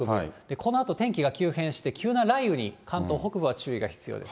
このあと天気が急変して、急な雷雨に関東北部は注意が必要です。